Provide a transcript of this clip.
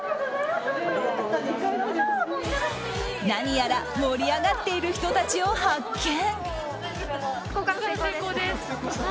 何やら盛り上がっている人たちを発見。